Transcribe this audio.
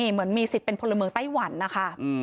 เหมือนมีสิทธิ์เป็นพลเมืองไต้หวันนะคะ